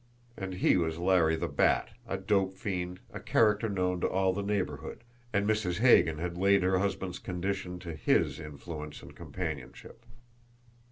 And he was Larry the Bat, a dope fiend, a character known to all the neighbourhood, and Mrs. Hagan had laid her husband's condition to HIS influence and companionship!